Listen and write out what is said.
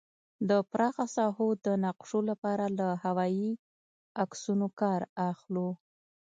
د پراخه ساحو د نقشو لپاره له هوايي عکسونو کار اخلو